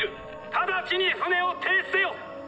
直ちに船を停止せよ！